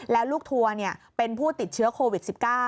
แล้วลูกทัวร์เป็นผู้ติดเชื้อโควิด๑๙